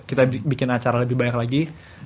kita bikin acara lebih banyak lagi